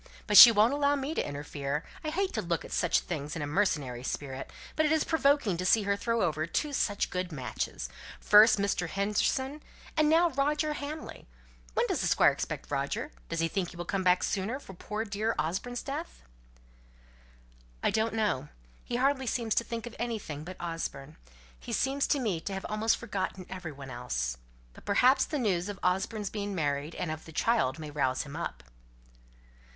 But she won't allow me to interfere. I hate to look at such things in a mercenary spirit, but it is provoking to see her throw over two such good matches. First Mr. Henderson, and now Roger Hamley. When does the Squire expect Roger? Does he think he will come back sooner for poor dear Osborne's death?" "I don't know. He hardly seems to think of anything but Osborne. He appears to me to have almost forgotten every one else. But perhaps the news of Osborne's being married, and of the child, may rouse him up."